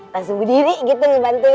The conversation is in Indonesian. langsung budiri gitu ngebantu